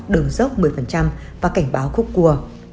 đường dốc một mươi và cảnh báo khúc cua